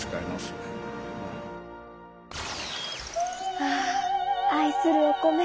ああ愛するお米